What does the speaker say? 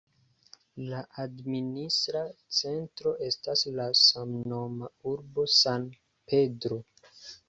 La administra centro estas la samnoma urbo San Pedro.